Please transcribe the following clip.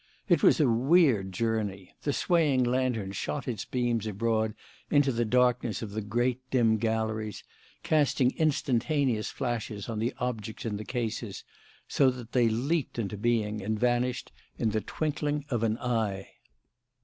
It was a weird journey. The swaying lantern shot its beams abroad into the darkness of the great, dim galleries, casting instantaneous flashes on the objects in the cases, so that they leaped into being and vanished in the twinkling of an eye.